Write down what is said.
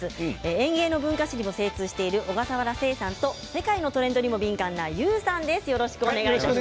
園芸の文化史にも精通している小笠原誓さんと世界のトレンドにも敏感な悠さんです。